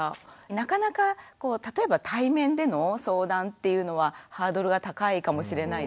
なかなかこう例えば対面での相談っていうのはハードルが高いかもしれないですね。